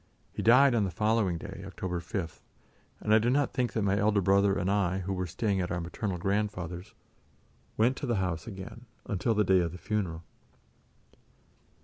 He died on the following day, October 5th, and I do not think that my elder brother and I who were staying at our maternal grandfather's went to the house again until the day of the funeral.